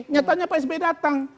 nyatanya pak sbi datang